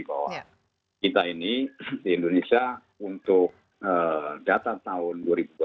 bahwa kita ini di indonesia untuk data tahun dua ribu dua puluh